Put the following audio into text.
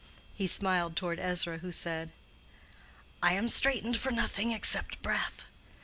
He smiled toward Ezra, who said, "I am straitened for nothing except breath.